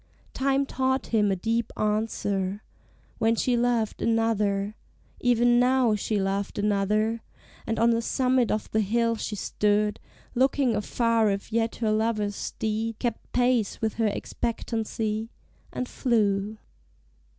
Time taught him a deep answer when she loved Another; even now she loved another, And on the summit of the hill she stood, Looking afar if yet her lover's steed Kept pace with her expectancy, and flew.